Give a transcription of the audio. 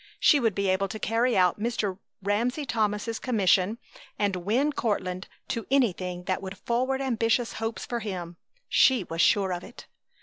She would be able to carry out Mr. Ramsey Thomas's commission and win Courtland to anything that would forward ambitious hopes for him! She was sure of it!